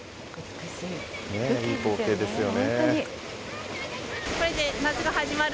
いい光景ですよね。